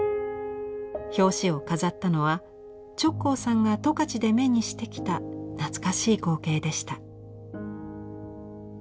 表紙を飾ったのは直行さんが十勝で目にしてきた懐かしい光景でした。